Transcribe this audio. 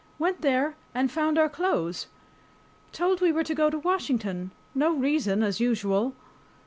Went there and found our clothes. Told we were to go to Washington. No reason as usual.